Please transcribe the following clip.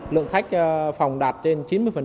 lượng khách phòng đạt trên chín mươi